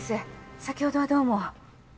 先ほどはどうも。